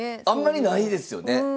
あんまりないですよね。